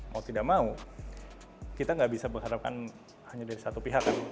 mau tidak mau kita nggak bisa mengharapkan hanya dari satu pihak kan